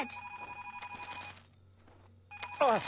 ☎あっ。